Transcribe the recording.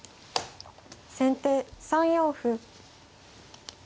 先手３四歩。